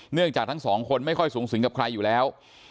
เนื่องจากทั้งสองคนไม่ค่อยสูงสิงกับใครอยู่แล้ว